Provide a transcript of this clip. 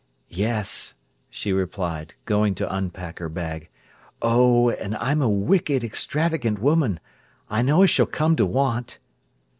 "Yes," she replied, going to unpack her bag. "Oh, and I'm a wicked, extravagant woman. I know I s'll come to want."